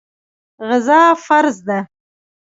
غزا فرض ده.